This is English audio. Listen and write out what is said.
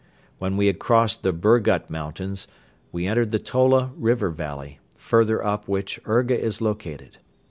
When we had crossed the Burgut Mountains, we entered the Tola River valley, farther up which Urga is located.